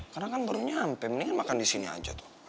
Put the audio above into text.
karena kan baru nyampe mendingan makan di sini aja tuh